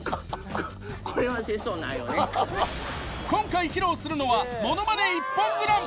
今回披露するのはものまね。